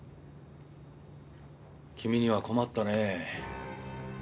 君には困ったねぇ。